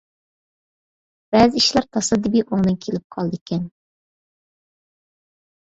بەزى ئىشلار تاسادىپىي ئوڭدىن كېلىپ قالىدىكەن.